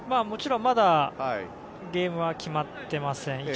もちろんまだゲームは決まっていません。